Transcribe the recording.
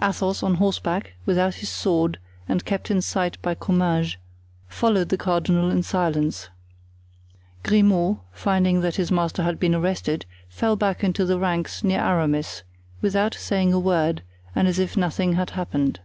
Athos, on horseback, without his sword and kept in sight by Comminges, followed the cardinal in silence. Grimaud, finding that his master had been arrested, fell back into the ranks near Aramis, without saying a word and as if nothing had happened.